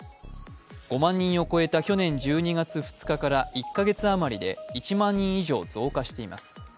５万人を超えた去年１２月２日から１か月あまりで１万人以上増加しています。